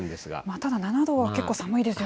ただ７度は結構、寒いですよね。